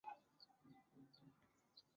得其下